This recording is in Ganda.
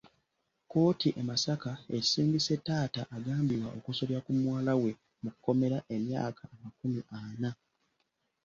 Kkooti e Masaka esindise taata agambibwa okusobya ku muwala we mu kkomera emyaka amakumi ana.